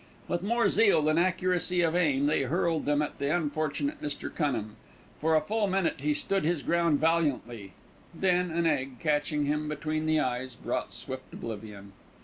With more zeal than accuracy of aim, they hurled them at the unfortunate Mr. Cunham. For a full minute he stood his ground valiantly, then, an egg catching him between the eyes brought swift oblivion.